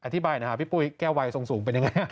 อธิบายนะครับพี่ปุ้ยแก้ววัยทรงสูงเป็นยังไง